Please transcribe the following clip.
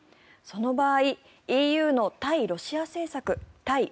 その場合、ＥＵの対ロシア政策対